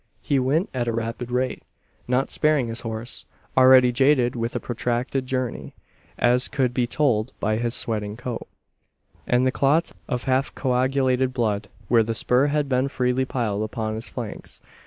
He went at a rapid rate; not sparing his horse, already jaded with a protracted journey as could be told by his sweating coat, and the clots of half coagulated blood, where the spur had been freely plied upon his flanks.